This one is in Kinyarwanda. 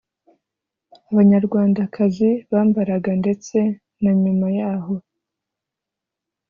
abanyarwandakazi bambaraga ndetse na nyuma yaho